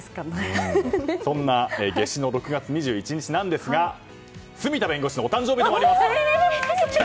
そんな夏至の６月２１日なんですが住田弁護士のお誕生日でもあります！